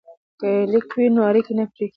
که لیک وي نو اړیکه نه پرې کیږي.